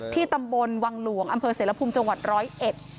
ตำบลวังหลวงอำเภอเสรภูมิจังหวัดร้อยเอ็ด